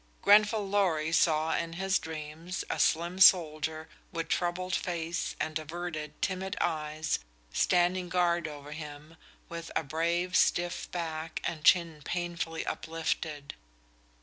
Grenfall Lorry saw in his dreams a slim soldier with troubled face and averted, timid eyes, standing guard over him with a brave, stiff back and chin painfully uplifted.